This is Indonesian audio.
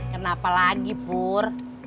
kenapa lagi pur